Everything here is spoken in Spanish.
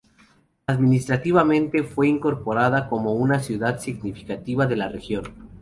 Administrativamente fue incorporada como una ciudad significativa de la región.